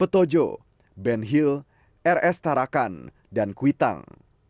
tojo ben hill rs tarakan dan kuitang